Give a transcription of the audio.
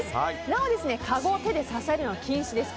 なお、かごを手で支えるのは禁止です。